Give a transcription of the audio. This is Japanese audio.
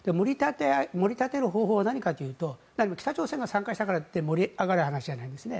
盛り立てる方法は何かというと北朝鮮が参加したからといって盛り上がる話じゃないですね。